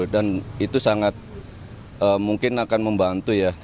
dan itu sangat mungkin akan membantu ya